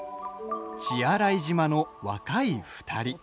血洗島の若い２人。